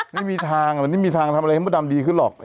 ไม่มีทางเลยไม่มีทางทำอะไรให้มดดำดีขึ้นหรอก